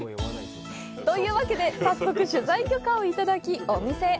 というわけで早速、取材許可をいただき、お店へ。